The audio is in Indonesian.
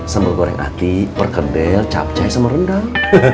sambal goreng atik perkedel capcay sama rendang